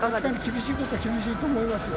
厳しいことは厳しいと思いますよ。